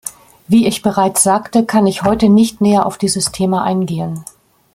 Wie ich bereits sagte, kann ich heute nicht näher auf dieses Thema eingehen.